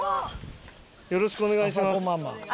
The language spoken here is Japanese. よろしくお願いします。